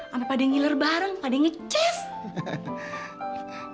sampai pada ngiler bareng pada nge cheese